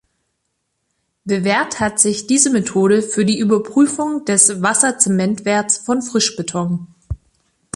Bewährt hat sich diese Methode für die Überprüfung des Wasser-Zement-Werts von Frischbeton.